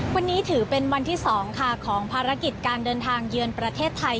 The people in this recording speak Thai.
วันนี้ถือเป็นวันที่๒ค่ะของภารกิจการเดินทางเยือนประเทศไทย